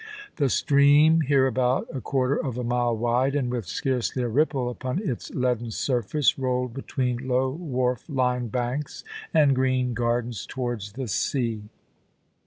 The stream, here about a quarter of a mile wide, and with scarcely a ripple upon its leaden surface, rolled between low wharf lined banks and green gardens towards the sea.